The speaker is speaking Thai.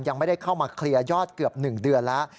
ยังไม่ได้เข้ามาเคลียร์ยอดเกือบ๑เดือนแล้ว